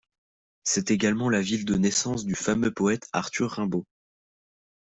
C'est également la ville de naissance du fameux poète Arthur Rimbaud.